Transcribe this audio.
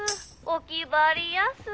「おきばりやす」